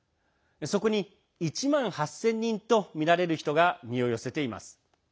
そこに１万８０００人とみられる人が身を寄せています。